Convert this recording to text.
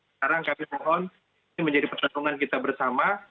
sekarang kami mohon ini menjadi pertanggungan kita bersama